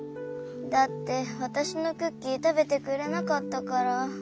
だってわたしのクッキーたべてくれなかったから。